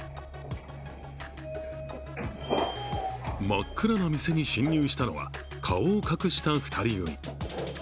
真っ暗な店に侵入したのは顔を隠した２人組。